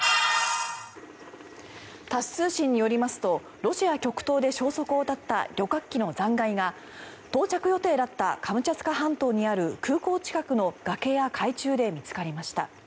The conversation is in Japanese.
タス通信によりますとロシア極東で消息を絶った旅客機の残骸が到着予定だったカムチャツカ半島にある空港近くの崖や海中で見つかりました。